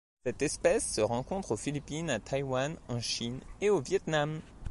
Cette espèce se rencontre aux Philippines, à Taïwan, en Chine et au Viêt Nam.